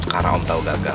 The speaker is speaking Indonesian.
karena om tau gagal